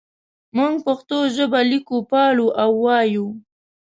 موږ پښتو ژبه لیکو پالو او وایو.